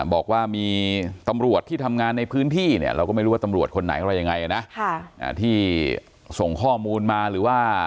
บอกว่ามีตำรวจที่ทำงานในพื้นที่ส่งข้อมูลมาหรือว่า